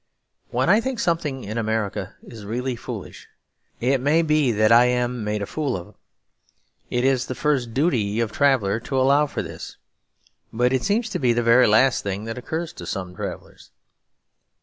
When I think something in America is really foolish, it may be I that am made a fool of. It is the first duty of a traveller to allow for this; but it seems to be the very last thing that occurs to some travellers.